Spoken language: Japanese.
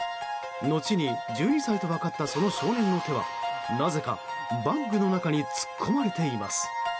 後に１２歳と分かったその少年の手はなぜかバッグの中に突っ込まれています。